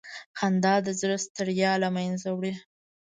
خندا د زړه ستړیا له منځه وړي.